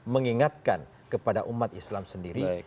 mengingatkan kepada umat islam sendiri